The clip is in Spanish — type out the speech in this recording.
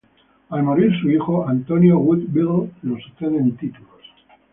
Al morir, su hijo Antonio Woodville lo sucede en títulos.